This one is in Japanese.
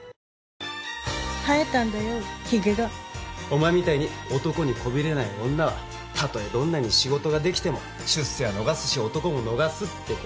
お前みたいに男にこびれない女はたとえどんなに仕事ができても出世は逃すし男も逃すってことだよ。